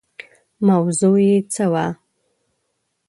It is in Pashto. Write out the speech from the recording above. موضوع یې څه وي.